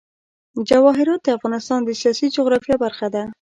جواهرات د افغانستان د سیاسي جغرافیه برخه ده.